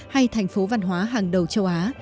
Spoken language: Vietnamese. hay thành phố văn hóa hàng đầu châu á